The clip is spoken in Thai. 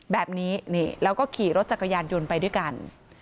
แบบนี้นี่แล้วก็ขี่รถจักรยานยนต์ไปด้วยกัน